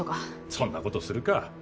そんなことするか。